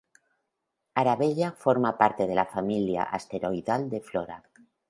Arabella forma parte de la familia asteroidal de Flora.